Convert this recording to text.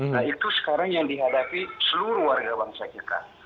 nah itu sekarang yang dihadapi seluruh warga bangsa kita